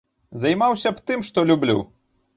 Займаўся б тым, што люблю.